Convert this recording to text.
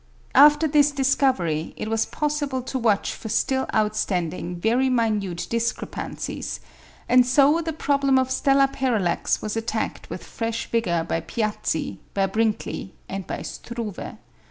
After this discovery it was possible to watch for still outstanding very minute discrepancies; and so the problem of stellar parallax was attacked with fresh vigour by Piazzi, by Brinkley, and by Struve.